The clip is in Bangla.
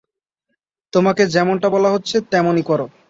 তোমাকে যেমনটা বলা হচ্ছে তেমনই করো।